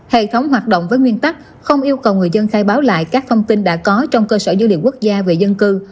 hệ thống hoạt động với nguyên tắc không yêu cầu người dân khai báo lại các thông tin đã có trong cơ sở dữ liệu quốc gia về dân cư